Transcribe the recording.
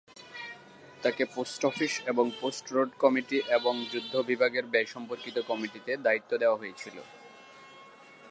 তাকে post office এবং post road committee এবং যুদ্ধ বিভাগের ব্যয় সম্পর্কিত কমিটিতে দায়িত্ব দেওয়া হয়েছিল।